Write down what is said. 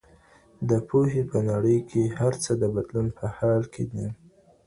د پوهي په نړۍ کي هر څه د بدلون په حال کي دي.